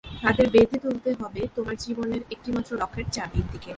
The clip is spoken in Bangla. তাদের বেঁধে তুলতে হবে তোমার জীবনের একটিমাত্র লক্ষ্যের চারি দিকে।